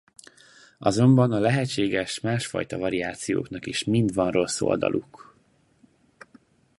Azonban a lehetséges másfajta variációknak is mind van rossz oldaluk.